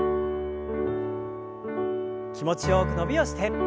気持ちよく伸びをして。